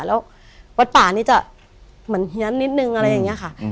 แล้ววัดป่านี่จะเหมือนเฮียนนิดนึงอะไรอย่างนี้ค่ะ